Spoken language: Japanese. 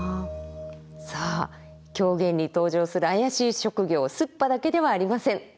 さあ狂言に登場する怪しい職業すっぱだけではありません。